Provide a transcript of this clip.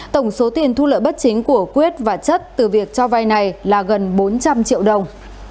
tổng số tiền thu lợi bất chính của quyết và chất từ việc cho vay này là gần bốn trăm linh triệu đồng